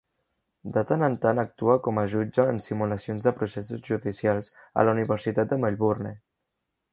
De tant en tant actua com a jutge en simulacions de processos judicials a la Universitat de Melbourne.